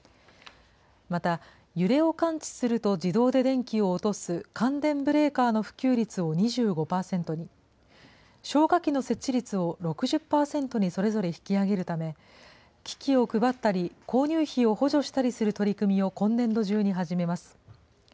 また、揺れを感知すると自動で電気を落とす感電ブレーカーの普及率を２５％に、消火器の設置率を６０％にそれぞれ引き上げるため、機器を配ったり購入費を補助したりする取り組みを今年度中に始めます。